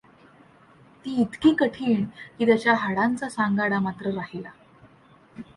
ती इतकी कठीण की, त्याच्या हाडांचा सांगाडा मात्र राहिला.